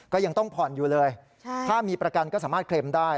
ก็ยังต้องผ่อนอยู่เลยถ้ามีประกันก็สามารถเคลมได้